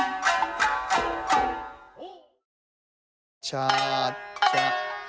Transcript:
チャチャ。